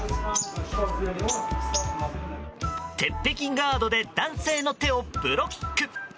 鉄壁ガードで男性の手をブロック！